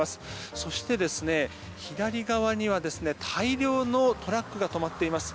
そして左側には大量のトラックが止まっています。